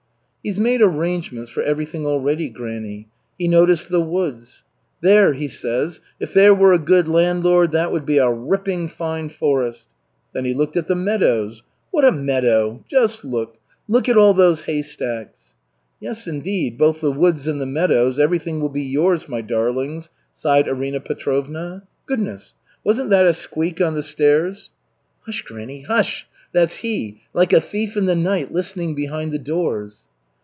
"' "He's made arrangements for everything already, granny. He noticed the woods. 'There,' he says, 'if there were a good landlord, that would be a ripping fine forest.' Then he looked at the meadows. 'What a meadow! Just look! Look at all those hay stacks!'" "Yes, indeed, both the woods and the meadows, everything will be yours, my darlings," sighed Arina Petrovna. "Goodness! Wasn't that a squeak on the stairs?" "Hush, granny, hush! That's he 'like a thief in the night,' listening behind the doors."